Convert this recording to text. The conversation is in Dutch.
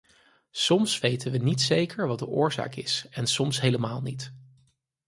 Soms weten we niet zeker wat de oorzaak is en soms helemaal niet.